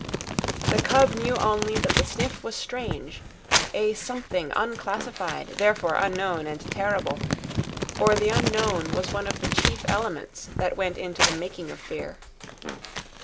The cub knew only that the sniff was strange, a something unclassified, therefore unknown and terrible—for the unknown was one of the chief elements that went into the making of fear.